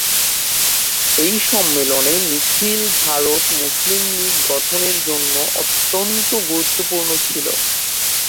এই সম্মেলন Nikhil Bharat Muslim League গঠনের জন্য অত্যন্ত গুরুত্বপূর্ণ ছিল।